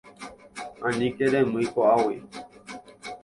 Aníke remýi ko'águi.